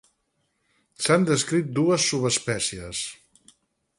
S'han descrit dues subespècies.